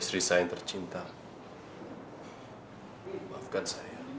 lebih trat banks